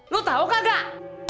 lu tau kagak